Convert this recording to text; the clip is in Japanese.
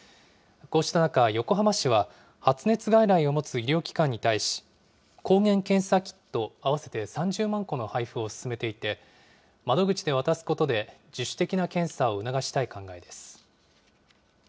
こうした中、横浜市は発熱外来を持つ医療機関に対し、抗原検査キット合わせて３０万個の配布を進めていて、窓口で渡すことで自主的な検査を促したい考えです。